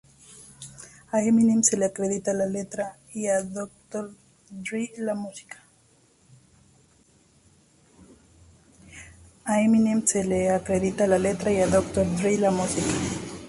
A Eminem se le acredita la letra y a Dr. Dre la música.